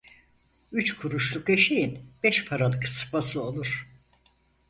Üç kuruşluk eşeğin beş paralık sıpası olur.